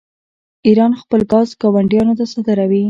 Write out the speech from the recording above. ایران خپل ګاز ګاونډیانو ته صادروي.